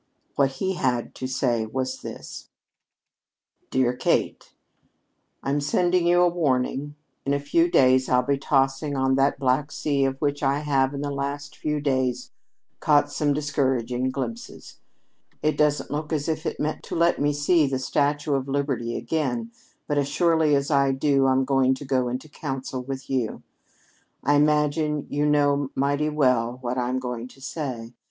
What he had to say was this: "DEAREST KATE: "I'm sending you a warning. In a few days I'll be tossing on that black sea of which I have, in the last few days, caught some discouraging glimpses. It doesn't look as if it meant to let me see the Statue of Liberty again, but as surely as I do, I'm going to go into council with you. "I imagine you know mighty well what I'm going to say.